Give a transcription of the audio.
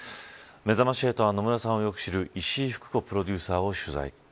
めざまし８は野村さんをよく知る石井ふく子プロデューサーを取材。